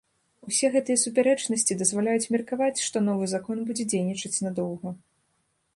Усе гэтыя супярэчнасці дазваляюць меркаваць, што новы закон будзе дзейнічаць нядоўга.